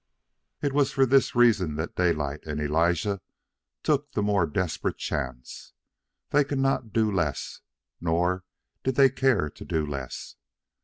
It was for this reason that Daylight and Elijah took the more desperate chance. They could not do less, nor did they care to do less.